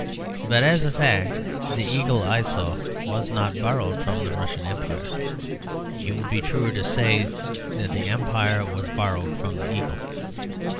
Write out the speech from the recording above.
But as a fact the eagle I saw was not borrowed from the Russian Empire; it would be truer to say that the Empire was borrowed from the eagle.